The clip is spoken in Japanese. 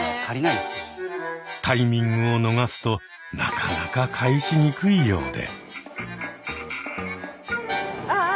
タイミングを逃すとなかなか返しにくいようで。